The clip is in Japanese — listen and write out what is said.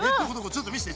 ちょっと見せて。